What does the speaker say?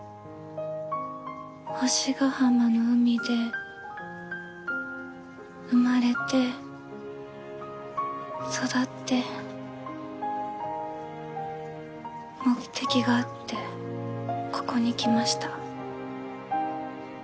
星ヶ浜の海で生まれて育って目的があってここに来ました。